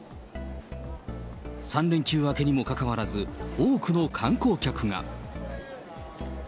３連休明けにもかかわらず、多くの観光客が。